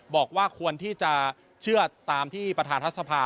บอกว่าควรที่จะเชื่อตามที่ประธานรัฐสภา